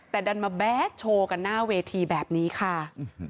แต่ดันมาแบดโชว์กันหน้าเวทีแบบนี้ค่ะ